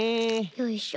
よいしょ。